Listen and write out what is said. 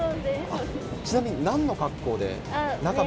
ちなみになんの格好で。